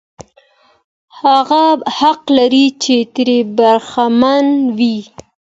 هغه حق لري چې ترې برخمن وي.